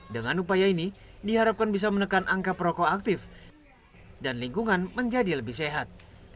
dengan upaya ini diharapkan bisa menekan angka perokok aktif dan lingkungan menjadi lebih sehat